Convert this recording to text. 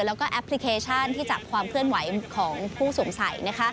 และแอปพลิเคชันที่จับความเคลื่อนไหวของผู้สูงใส